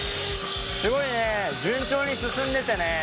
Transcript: すごいね順調に進んでてね